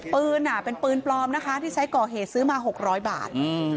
ปืนเป็นปืนปลอมนะคะที่ใช้ก่อเหตุซื้อมา๖๐๐บาท